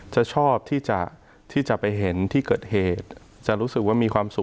จะชอบที่จะไปเห็นที่เกิดเหตุจะรู้สึกว่ามีความสุข